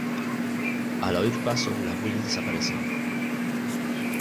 Al oír pasos las Willis desaparecen.